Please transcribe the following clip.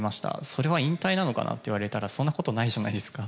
それは引退なのかなって言われたら、そんなことないじゃないですか。